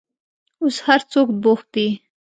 اوس هر څوک بوخت دي.